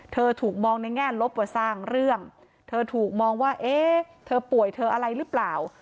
ถูกมองในแง่ลบว่าสร้างเรื่องเธอถูกมองว่าเอ๊ะเธอป่วยเธออะไรหรือเปล่า